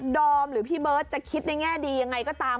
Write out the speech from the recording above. อมหรือพี่เบิร์ตจะคิดในแง่ดียังไงก็ตาม